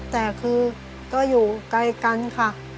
แต่คือก็อยู่ไกลกันค่ะ